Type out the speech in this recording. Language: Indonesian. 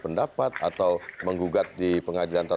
pendapat atau menggunakan hak angket yang menurut pak fener